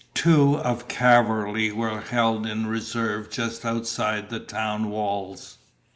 Two of cavalry were held in reserve just outside the town walls.